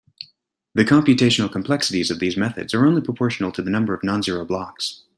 The computational complexities of these methods are only proportional to the number of non-zero blocks.